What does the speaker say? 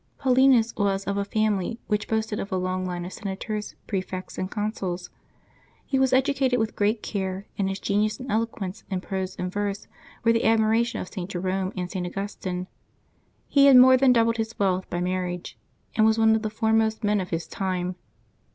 QAULiNus was of a family which boasted of a long line of senators, prefects, and consuls. He was educated with great care, and his genius and eloquence, in prose and verse, were the admiration of St. Jerome and St. Au gustine. He had more than doubled his wealth by mar riage, and was one of the foremost men of his time.